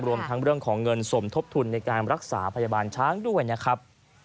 รวมทั้งเรื่องของเงินสมทบทุนในการรักษาพยาบาลช้างด้วยนะครับ